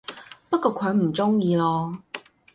不過佢唔鍾意囉